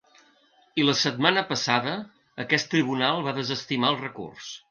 I la setmana passada, aquest tribunal va desestimar el recurs.